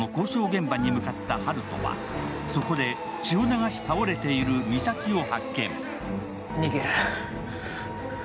現場に向かった温人は、そこで血を流し、倒れている実咲を発見。